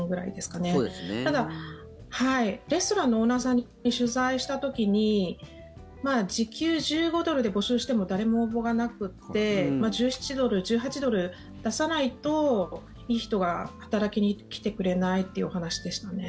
ただ、レストランのオーナーさんに取材した時に時給１５ドルで募集しても誰も応募がなくて１７ドル、１８ドル出さないといい人が働きに来てくれないというお話でしたね。